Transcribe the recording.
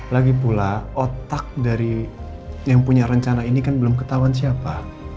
lagi pula otak dari yang punya rencana ini kan belum ketahuan siapa